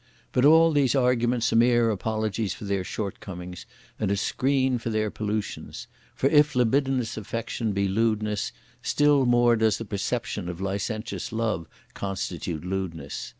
But all these arguments are mere apologies for their shortcomings, and a screen for their pollutions; for if libidinous affection be lewdness, still more does the perception of licentious love constitute lewdness.